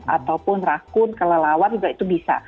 ataupun rakun kelelawar juga itu bisa